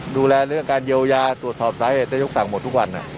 ดูแลเรื่องการเยียวยาตรวจสอบสาเหตุนายกสั่งหมดทุกวัน